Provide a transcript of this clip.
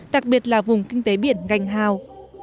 đặc biệt là vùng kinh tế biển gành hào